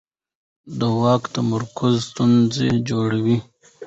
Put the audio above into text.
د واک تمرکز ستونزې جوړوي